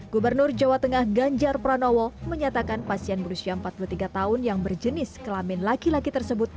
gubernur jawa tengah ganjar pranowo menyatakan pasien berusia empat puluh tiga tahun yang berjenis kelamin laki laki tersebut